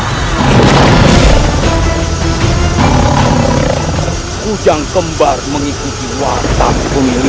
kau tidak akan bisa menghindar dari jurus ini